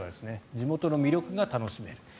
地元の魅力が楽しめる。